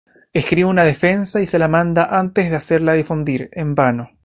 Escribe una defensa y se la manda antes de hacerla difundir, en vano.